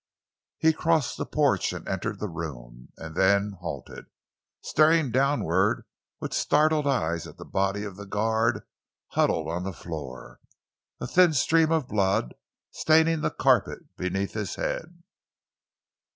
He crossed the porch and entered the room, and then halted, staring downward with startled eyes at the body of the guard huddled on the floor, a thin stream of blood staining the carpet beneath his head.